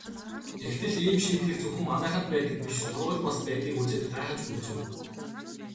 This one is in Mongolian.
Тэгтэл ийм шийтгэл зөвхөн манайханд байдаг биш сургуульд бас байдгийг үзээд гайхаж гүйцэв.